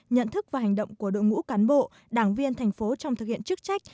nhận thức và hành động của đội ngũ cán bộ đảng viên thành phố trong thực hiện chức trách